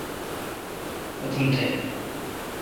اتون تھ۔